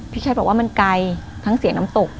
ชัดบอกว่ามันไกลทั้งเสียงน้ำตก